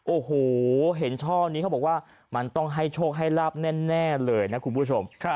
โอ้โหเห็นช่อนี้เขาบอกว่ามันต้องให้โชคให้ลาบแน่เลยนะคุณผู้ชม